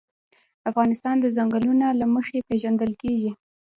افغانستان د ځنګلونه له مخې پېژندل کېږي.